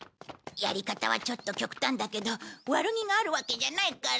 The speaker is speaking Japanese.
やり方はちょっと極端だけど悪気があるわけじゃないから。